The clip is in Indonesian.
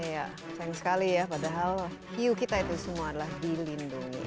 ya sayang sekali ya padahal hiu kita itu semua adalah dilindungi